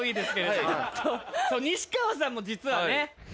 西川さんも実はね。